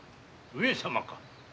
上様か？